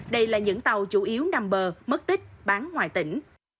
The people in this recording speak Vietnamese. đây là những tàu chủ yếu nằm bờ mất tích bán ngoài tỉnh